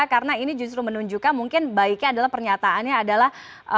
karena ini justru menunjukkan mungkin baiknya adalah pernyataannya adalah